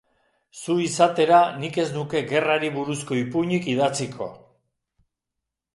Zu izatera nik ez nuke gerrari buruzko ipuinik idatziko.